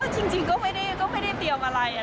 จริงก็ไม่ได้เตรียมอะไร